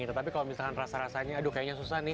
tetapi kalau misalkan rasa rasanya aduh kayaknya susah nih